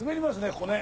ここね。